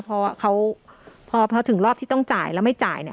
เพราะว่าเขาพอถึงรอบที่ต้องจ่ายแล้วไม่จ่ายเนี่ย